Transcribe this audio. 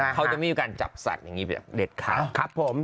เค้าจะมีการจับสัสอย่างนี้เด็ดขาด